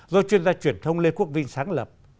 do chuyên gia truyền thông lê quốc vinh sáng lập